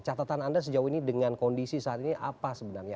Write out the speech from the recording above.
catatan anda sejauh ini dengan kondisi saat ini apa sebenarnya